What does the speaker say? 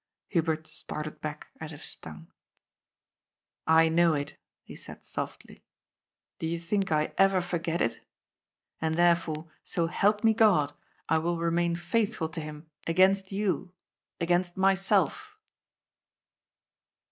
Hubert started back, as if stung. ^* I know it," he said softly. ^^ Do you think I ever forget it ? And therefore, so help me God ! I will remain faithful to him against you, against myself."